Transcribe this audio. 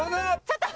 ちょっと！